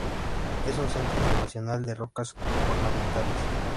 Es un centro internacional de rocas ornamentales.